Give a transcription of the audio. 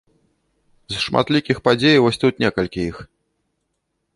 З шматлікіх падзей, вось тут некалькі іх.